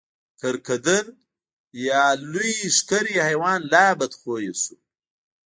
کرکدن یا لوی ښکری حیوان لا بدخویه شو.